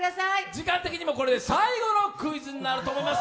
時間的にも最後のクイズになると思います。